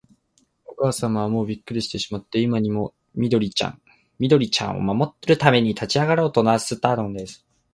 おかあさまは、もうびっくりしてしまって、今にも、緑ちゃんを守るために立ちあがろうとなすったくらいです。